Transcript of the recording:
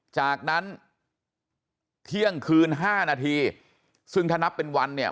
จากนั้นเที่ยงคืนห้านาทีซึ่งถ้านับเป็นวันเนี่ย